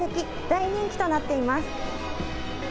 大人気となっています。